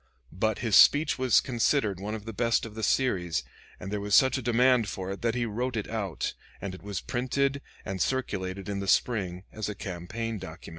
But his speech was considered the best of the series, and there was such a demand for it that he wrote it out, and it was printed and circulated in the spring as a campaign document.